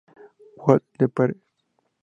Who's the Parent?